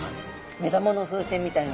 目玉の風船みたいの。